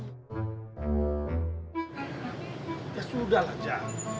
ya sudah lah jak